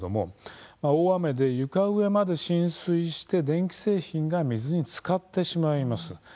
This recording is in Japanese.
大雨で床上まで浸水し電気製品が水につかっています。